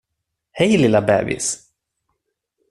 Hej, lilla bebis!